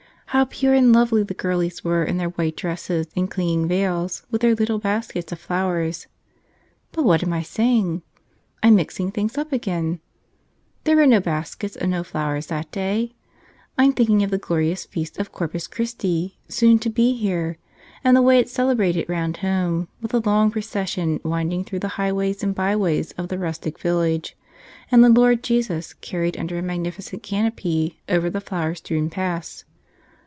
how pure and lovely the girlies were in their white dresses and clinging veils, with their little baskets of flowers. But what am I saying ! I'm mixing things up again ! There were no baskets and no flowers that day; I'm thinking of the glorious feast of Corpus Christi, soon to be here, and the way it's celebrated round home, with a long procession winding through the highways and byways of the rustic village and the Lord Jesus carried under a magnificent canopy over the flower strewn paths.